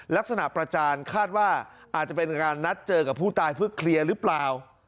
ประจานคาดว่าอาจจะเป็นการนัดเจอกับผู้ตายเพื่อเคลียร์หรือเปล่า